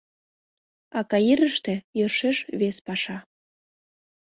А Каирыште — йӧршеш вес паша!